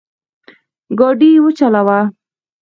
ګاډی وچلوه